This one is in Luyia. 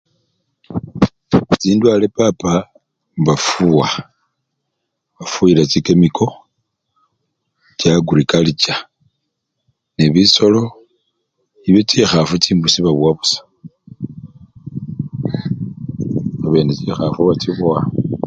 Chindwale papa bafuwa, bafuyila chikemiko, cha agrikacha nebisolo nga chikhafu , chimbusi babowa busa, babene chikhafu bachibowa.